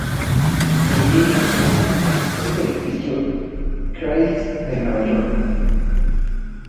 Sus líneas evocan al histórico Edificio Chrysler de Nueva York.